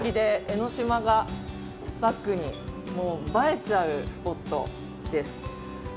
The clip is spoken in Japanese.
江の島がバックに映えちゃうスポットです。